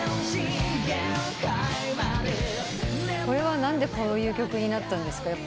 これは何でこういう曲になったんですか？